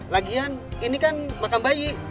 lagian ini kan makan bayi